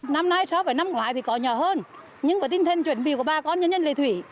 năm nay sáu vài năm ngoài thì có nhỏ hơn nhưng với tinh thần chuẩn bị của ba con nhân nhân lệ thủy